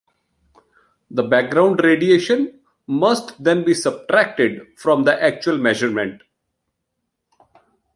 The background radiation must then be subtracted from the actual measurement.